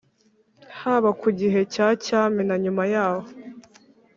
haba ku gihe cya cyami na nyuma yaho,